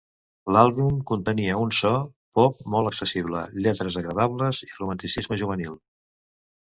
L'àlbum contenia un so pop molt accessible, lletres agradables i romanticisme juvenil.